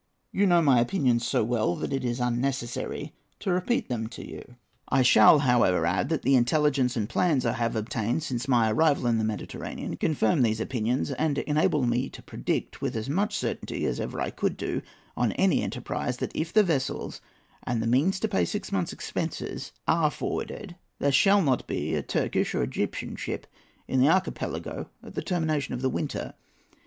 You know my opinions so well, that it is unnecessary to repeat them to you. I shall, however, add, that the intelligence and plans I have obtained since my arrival in the Mediterranean confirm these opinions, and enable me to predict, with as much certainty as I ever could do on any enterprise, that if the vessels and the means to pay six months' expenses are forwarded, there shall not be a Turkish or Egyptian ship in the Archipelago at the termination of the winter.